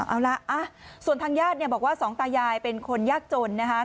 เอาละส่วนทางยาธิบอกว่าสองตายายเป็นคนยากจนนะครับ